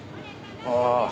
ああ。